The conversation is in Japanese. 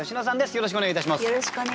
よろしくお願いします。